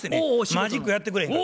マジックやってくれへんか。